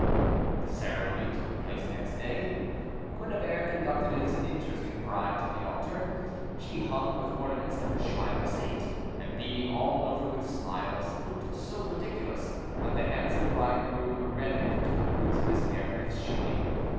The ceremony took place next day. Quennebert conducted his interesting bride to the altar, she hung with ornaments like the shrine of a saint, and, beaming all over with smiles, looked so ridiculous that the handsome bridegroom reddened to the roots of his hair with shame.